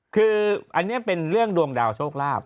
คืออันนี้เป็นเรื่องดวงดาวโชคลาภ